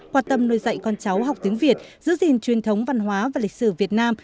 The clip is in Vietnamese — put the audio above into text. quan tâm nuôi dạy con cháu học tiếng việt giữ gìn truyền thống văn hóa và lịch sử việt nam